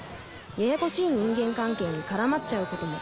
ややこしい人間関係に絡まっちゃうことも